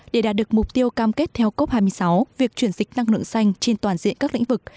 để đạt được mục tiêu cam kết theo cốc hai mươi sáu việc chuyển dịch năng lượng xanh trên toàn diện các lĩnh vực